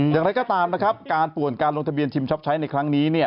อย่างไรก็ตามการป่วนการลงทะเบียนทิมชอบไชท์ในครั้งนี้